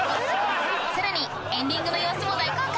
さらにエンディングの様子も大公開！